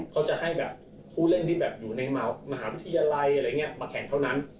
เขาจะให้แบบผู้เล่นที่อยู่ในมหาวิทยาลัยมาแข่งเท่านั้น